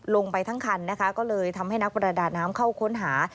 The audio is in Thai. ลงไปทั้งคันนะคะก็เลยทำให้นักประดาน้ำเข้าค้นหา